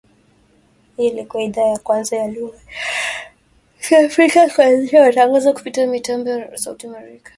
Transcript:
Hii ilikua idhaa ya kwanza ya lugha ya Kiafrika kuanzisha matangazo kupitia mitambo ya Sauti ya Amerika